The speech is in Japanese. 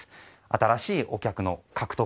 新しいお客の獲得